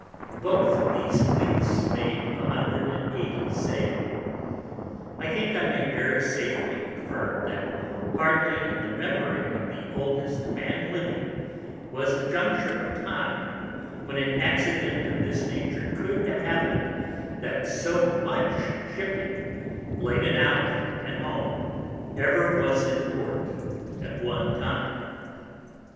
Both these Fleets made 180 Sail. I think I may very safely affirm, That hardly in the Memory of the oldest Man living, was a juncture of Time when an Accident of this nature could have happen'd, that so much Shipping, laden out and home, ever was in Port at one time.